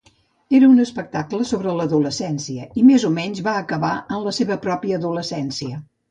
Era un espectacle sobre l'adolescència i més o menys va acabar en la seva pròpia adolescència.